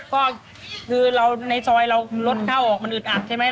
ก็คือเราในซอยเรารถเข้าออกมันอึดอัดใช่ไหม